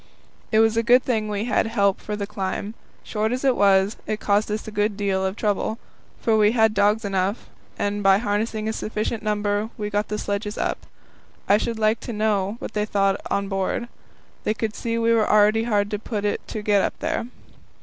It was a good thing we had help for the climb. Short as it was, it caused us a good deal of trouble; but we had dogs enough, and by harnessing a sufficient number we got the sledges up. I should like to know what they thought on board. They could see we were already hard put to it to get up here.